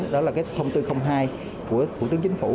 đó là thông tư hai của thủ tướng chính phủ